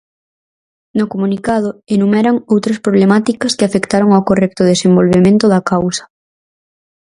No comunicado, enumeran outras problemáticas que afectaron ao correcto desenvolvemento da causa.